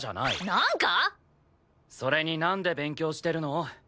それになんで勉強してるの？